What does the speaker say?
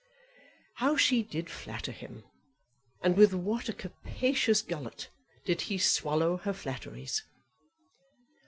How she did flatter him, and with what a capacious gullet did he swallow her flatteries!